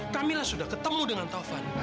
kamilah sudah ketemu dengan taufan